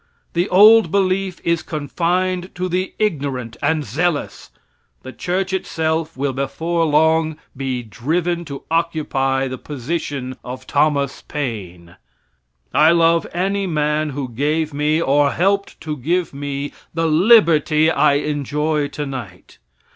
The old belief is confined to the ignorant and zealous. The church itself will before long be driven to occupy the position of Thomas Paine! I love any man who gave me, or helped to give me, the liberty I enjoy tonight.